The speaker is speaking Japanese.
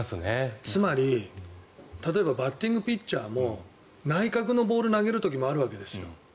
つまり、例えばバッティングピッチャーも内角のボールを投げる時もあるわけですよ。